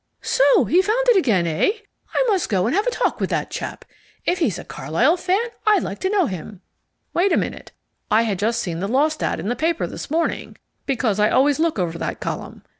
"So he found it again, eh? I must go and have a talk with that chap. If he's a Carlyle fan I'd like to know him." "Wait a minute. I had seen the LOST ad in the paper this morning, because I always look over that column.